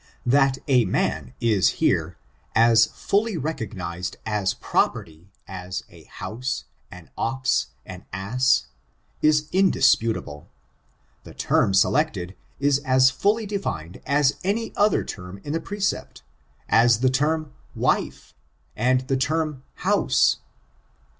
That a man is here as fully recognized as property as a house, an ox, an ass, is indisputable. The term selected is as fully defined as any other term in the precept — as the term wife, and the term house.